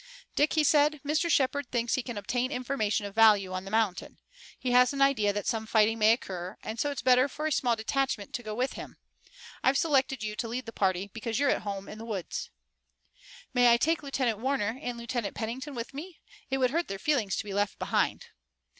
"Dick," he said, "Mr. Shepard thinks he can obtain information of value on the mountain. He has an idea that some fighting may occur, and so it's better for a small detachment to go with him. I've selected you to lead the party, because you're at home in the woods." "May I take Lieutenant Warner and Lieutenant Pennington with me? It would hurt their feelings to be left behind."